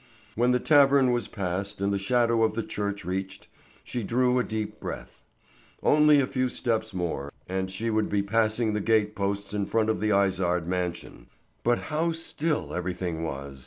When the tavern was passed and the shadow of the church reached, she drew a deep breath. Only a few steps more and she would be passing the gateposts in front of the Izard mansion. But how still everything was!